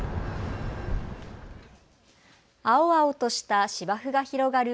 青々とした芝生が広がる